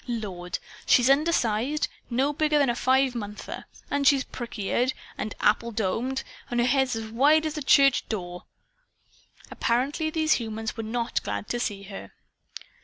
Lord! She's undersized no bigger than a five monther! And she's prick eared and apple domed; and her head's as wide as a church door!" Apparently these humans were not glad to see her.